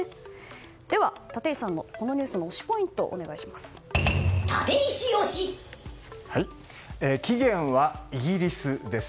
では、立石さんのこのニュースの推しポイント起源はイギリスです。